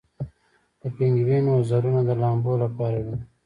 د پینګوین وزرونه د لامبو لپاره دي